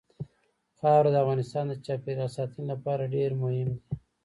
خاوره د افغانستان د چاپیریال ساتنې لپاره ډېر مهم دي.